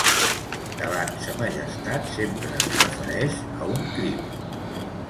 Davant sa majestat sempre es refereix a un crim.